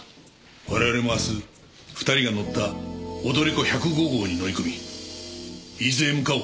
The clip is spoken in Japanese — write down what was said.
我々も明日２人が乗った踊り子１０５号に乗り込み伊豆へ向かおう。